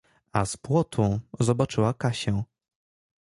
A z płotu zobaczyła Kasię.